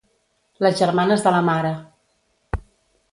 Les germanes de la mare.